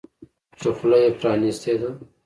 چې خوله یې پرانیستې ده.